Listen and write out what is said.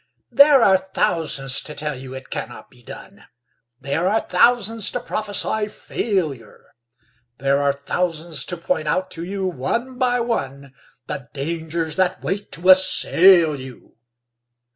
There are thousands to tell you it cannot be done, There are thousands to prophesy failure; There are thousands to point out to you one by one, The dangers that wait to assail you.